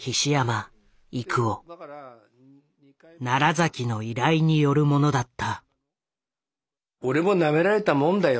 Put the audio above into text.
崎の依頼によるものだった。